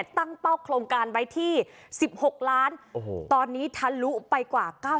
ตั้งเป้าโครงการไว้ที่๑๖ล้านตอนนี้ทะลุไปกว่า๙๐